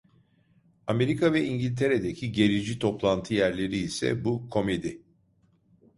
Amerika ve İngiltere'deki gerici toplantı yerleri ise, bu komedi!